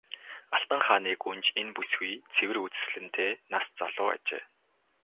Алтан хааны гүнж энэ бүсгүй цэвэр үзэсгэлэнтэй нас залуу ажээ.